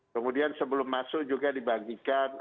kemudian sebelum masuk juga dibagikan